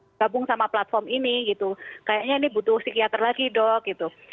gabung sama platform ini gitu kayaknya ini butuh psikiater lagi dok gitu